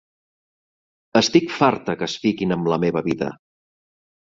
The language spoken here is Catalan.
Estic farta que es fiquin amb la meva vida.